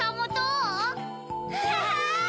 うわ！